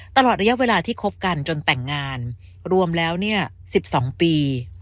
ตลอดระยะเวลาที่คบกันจนแต่งงานรวมแล้วเนี่ยสิบสองปี